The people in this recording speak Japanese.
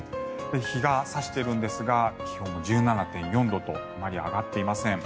日が差しているんですが気温も１７．４度とあまり上がっていません。